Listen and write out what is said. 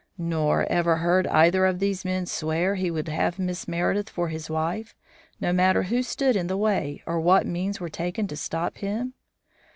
"Nor ever heard either of these men swear he would have Miss Meredith for his wife, no matter who stood in the way, or what means were taken to stop him?"